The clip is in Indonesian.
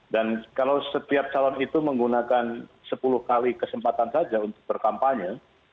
dan kalau setiap calon itu menggunakan sepuluh kali kesempatan saja untuk berkampanye